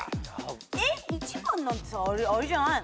えっ１番なんてさあれじゃないの？